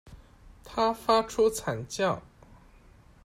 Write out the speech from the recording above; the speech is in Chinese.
他发出惨叫